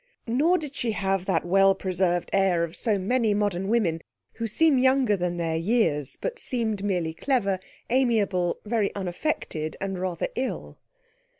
Nor did she have that well preserved air of so many modern women who seem younger than their years, but seemed merely clever, amiable, very unaffected, and rather ill.